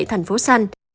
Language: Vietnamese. thành phố xanh